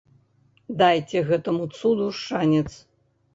Дайце гэтаму цуду шанец!